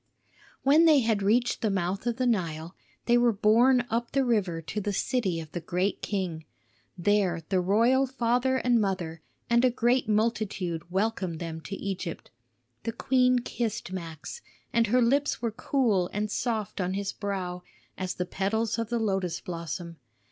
When they had reached the mouth of the Nile, they were borne up the river to the city of the great king. There the royal father and mother and a great multitude welcomed them to Egypt. The queen kissed Max, and her lips were cool and soft on his brow as the petals of the lotus blossom.